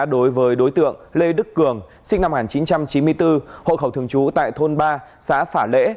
đối với đối tượng lê đức cường sinh năm một nghìn chín trăm chín mươi bốn hộ khẩu thường trú tại thôn ba xã phả lễ